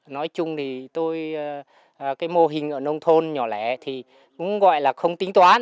nói chung thì tôi cái mô hình ở nông thôn nhỏ lẻ thì cũng gọi là không tính toán